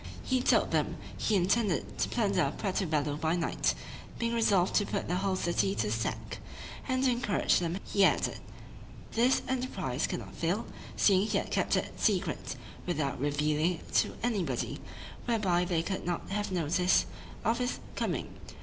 He told them he intended to plunder Puerto Bello by night, being resolved to put the whole city to the sack: and to encourage them he added, this enterprise could not fail, seeing he had kept it secret, without revealing it to anybody, whereby they could not have notice of his coming.